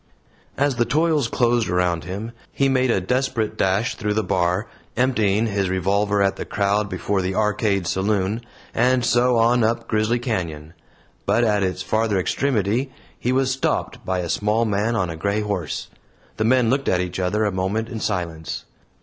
As the toils closed around him, he made a desperate dash through the Bar, emptying his revolver at the crowd before the Arcade Saloon, and so on up Grizzly Canyon; but at its farther extremity he was stopped by a small man on a gray horse. The men looked at each other a moment in silence.